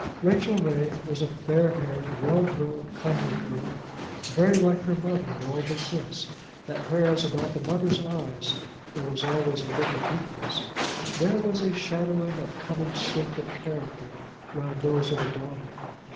Rachel Ray was a fair haired, well grown, comely girl, very like her mother in all but this, that whereas about the mother's eyes there was always a look of weakness, there was a shadowing of coming strength of character round those of the daughter.